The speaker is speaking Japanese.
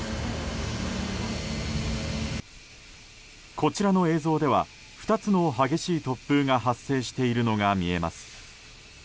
こちらの映像では２つの激しい突風が発生しているのが見えます。